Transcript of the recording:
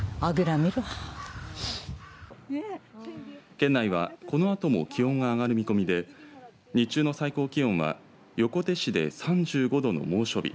県内はこのあとも気温が上がる見込みで日中の最高気温は横手市で３５度の猛暑日